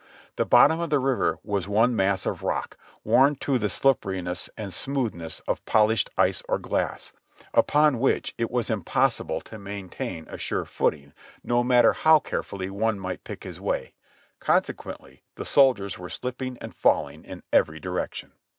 The bottom of the river was one mass of rock, worn to the slipperiness and smoothness of polished ice or glass, upon which it was impossible to maintain a sure footing, no matter how carefully one might pick his way, consequently the soldiers were slipping and falling in every direction.